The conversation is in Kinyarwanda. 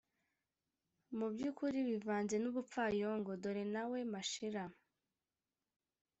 mu by'ukuri bivanze n'ubupfayongo. dore nawe, mashira